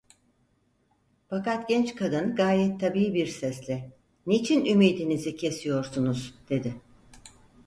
Fakat genç kadın gayet tabii bir sesle: "Niçin ümidinizi kesiyorsunuz?" dedi.